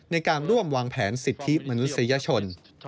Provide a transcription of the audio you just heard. ในการร่วมวางแผนสิทธิมนุษยชน